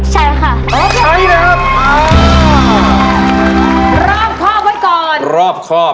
ใช้ค่ะใช้นะครับอ่ารอบคอบไว้ก่อนรอบคอบ